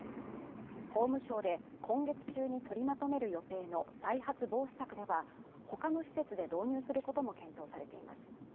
法務省で今月中に取りまとめる予定の再発防止策では、他の施設で導入することも検討されています。